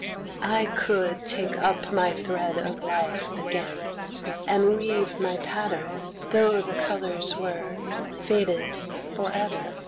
I could take up my thread of life again And weave my pattern though the colors were Faded forever.